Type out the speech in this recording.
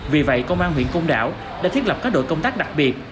vì vậy công an huyện côn đảo đã thiết lập các đội công tác đặc biệt